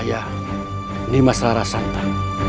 saya nimas rara santa